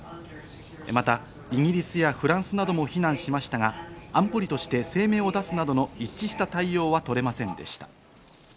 またイギリスやフランスなども非難しましたが、安保理として声明を出すなどの一致した対応は取れませんでした。